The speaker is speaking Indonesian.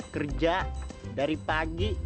kerja dari pagi